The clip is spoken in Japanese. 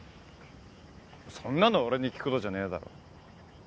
そんなの俺に聞くことじゃねえだろ。